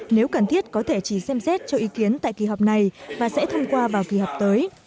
nếu cần thiết có thể chỉ xem xét cho ý kiến tại kỳ họp này và sẽ thông qua vào kỳ họp tới